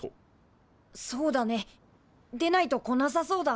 そうだねでないと来なさそうだ。